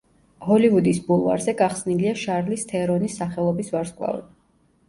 ჰოლივუდის ბულვარზე გახსნილია შარლიზ თერონის სახელობის ვარსკვლავი.